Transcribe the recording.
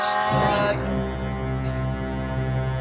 ありがとうございます。